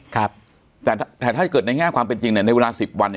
แต่ถ้าเกิดในแง่ความเป็นจริงในเวลา๑๐วัน